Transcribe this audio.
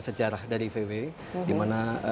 sejarah dari vw dimana